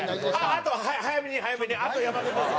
あと早めに早めにあと山田選手。